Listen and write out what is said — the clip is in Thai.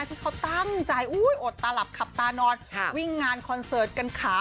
ที่เขาตั้งใจอดตาหลับขับตานอนวิ่งงานคอนเสิร์ตกันขา